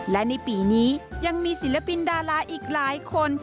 และในปีนี้ยังมีศิลปินดาราอีกหลายคน